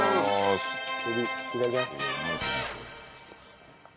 エビいただきます。